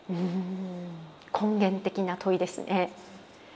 根源的な問いですね。